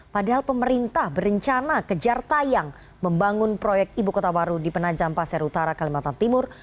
padahal pemerintah berencana kejar tayang membangun proyek ibu kota baru di penajam pasir utara kalimantan timur